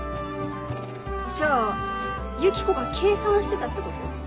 じゃあユキコが計算してたってこと？